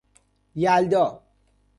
یلدا